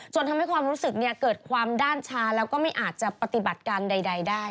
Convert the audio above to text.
ทำให้ความรู้สึกเกิดความด้านชาแล้วก็ไม่อาจจะปฏิบัติการใดได้